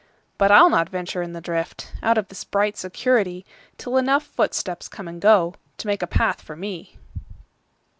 But I'll not venture in the driftOut of this bright security, Till enough footsteps come and goTo make a path for me.